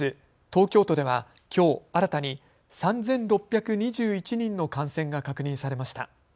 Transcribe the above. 東京都ではきょう新たに３６２１人の感染が確認されました。